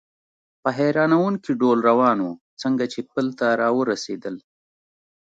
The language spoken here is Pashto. په حیرانوونکي ډول روان و، څنګه چې پل ته را ورسېدل.